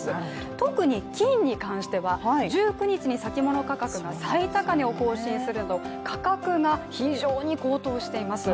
特に金に関しては１９日に先物価格が最高値を更新するなど、価格が非常に高騰しています。